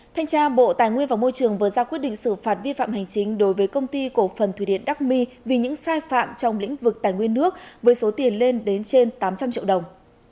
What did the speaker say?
thanh tra bộ tài nguyên và môi trường vừa ra quyết định xử phạt vi phạm hành chính đối với công ty cổ phần thủy điện đắc my vì những sai phạm trong lĩnh vực tài nguyên nước với số tiền lên đến trên tám trăm linh triệu đồng